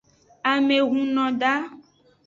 Ame hunno da.